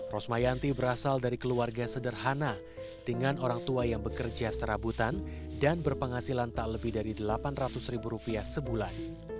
rosmayanti berasal dari keluarga sederhana dengan orang tua yang bekerja serabutan dan berpenghasilan tak lebih dari delapan ratus ribu rupiah sebulan